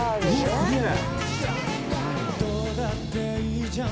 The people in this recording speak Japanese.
すげえ！